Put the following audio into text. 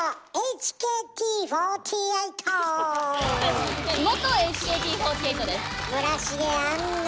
ＨＫＴ４８です。